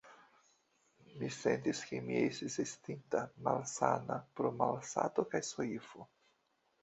Mi sentis, ke mi estis estinta malsana pro malsato kaj soifo.